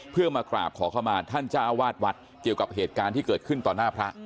เพื่อมากราบขอเข้ามาท่านเจ้าวาดวัดเกี่ยวกับเหตุการณ์ที่เกิดขึ้นต่อหน้าพระ